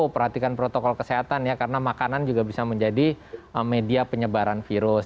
perhatikan protokol kesehatan ya karena makanan juga bisa menjadi media penyebaran virus